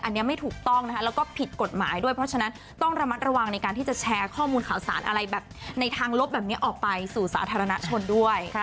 อันนี้ไม่ถูกต้องนะคะแล้วก็ผิดกฎหมายด้วยเพราะฉะนั้นต้องระมัดระวังในการที่จะแชร์ข้อมูลข่าวสารอะไรแบบในทางลบแบบนี้ออกไปสู่สาธารณชนด้วย